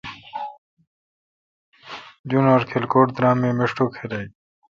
جنور کلکوٹ درام اے میشٹوک خلق۔